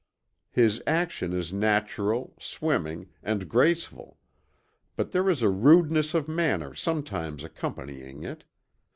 His action is natural, swimming, and graceful, but there is a rudeness of manner sometimes accompanying it.